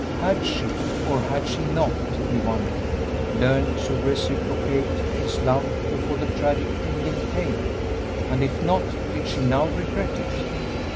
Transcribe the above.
Had she, or had she not, he wondered, learned to reciprocate his love before the tragic ending came? And if not, did she now regret it?